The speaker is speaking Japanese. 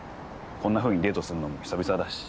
こんなふうにデートするのも久々だし。